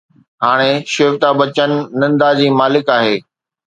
هاڻي شيوتا بچن نندا جي مالڪ آهي